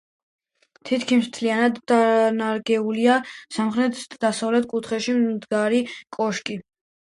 თითქმის მთლიანადაა დანგრეული სამხრეთ-დასავლეთ კუთხეში მდგარი კოშკი.